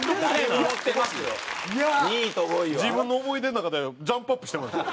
自分の思い出の中でジャンプアップしてもうた。